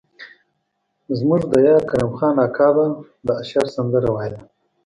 زموږ د ديار کرم خان اکا به د اشر سندره ويله.